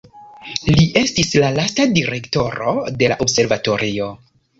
Li estis la lasta direktoro de la observatorio.